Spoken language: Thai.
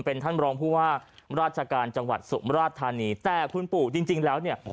เป็นท่านรองผู้ว่าราชการจังหวัดสุมราชธานีแต่คุณปู่จริงจริงแล้วเนี่ย